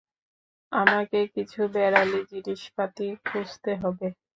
আমাকে কিছু বেড়ালি জিনিসপাতি খুঁজতে হবে।